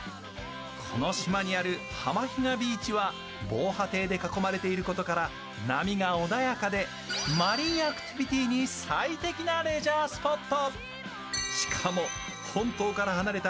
この島にある浜比嘉ビーチは防波堤で囲まれていることから波が穏やかでマリンアクティビティに最適なレジャースポット。